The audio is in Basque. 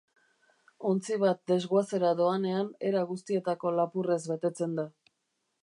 Ontzi bat desguazera doanean era guztietako lapurrez betetzen da.